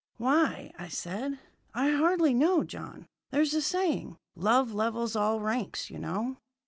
"Why," said I, "I hardly know, John. There's a saying: 'Love levels all ranks,' you know."